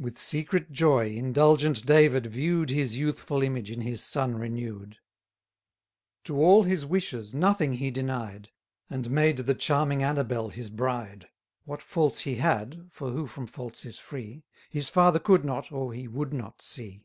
30 With secret joy indulgent David view'd His youthful image in his son renew'd: To all his wishes nothing he denied; And made the charming Annabell his bride. What faults he had (for who from faults is free?) His father could not, or he would not see.